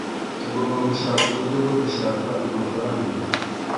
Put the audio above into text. Tugomba gushaka uburyo bwo gushaka amafaranga.